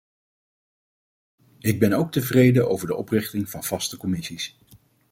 Ik ben ook tevreden over de oprichting van vaste commissies.